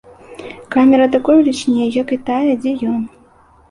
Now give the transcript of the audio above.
Камера такой велічыні, як і тая, дзе ён.